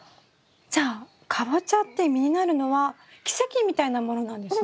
じゃあカボチャって実になるのは奇跡みたいなものなんですね。